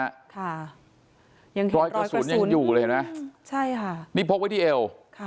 ยังเห็นรอยกระสุนอื้มใช่ค่ะรอยกระสุนยังอยู่เลยเห็นไหมนี่พกไว้ที่เอว